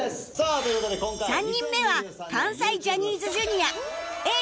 ３人目は関西ジャニーズ Ｊｒ．Ａ ぇ！